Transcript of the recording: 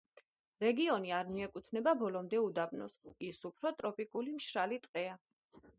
რეგიონი არ მიეკუთვნება ბოლომდე უდაბნოს, ის უფრო ტროპიკული მშრალი ტყეა.